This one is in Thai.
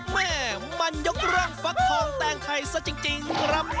เห้ยมันยกฤมษ์ฟักคลองแตงไข่ซะจริงครับ